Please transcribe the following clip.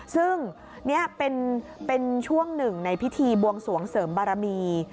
ซึ่งนี่เป็นช่วงหนึ่งในพิธีบวงสวงเสริมบารมี